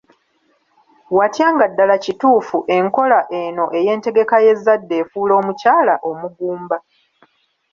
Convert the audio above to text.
Watya nga ddala kituufu enkola eno ey’entegeka y’ezzadde efuula omukyala omugumba?